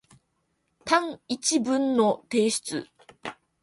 単一文の提出